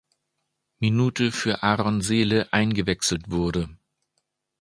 Minute für Aron Sele eingewechselt wurde.